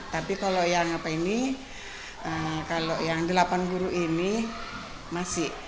tapi kalau yang apa ini kalau yang delapan guru ini masih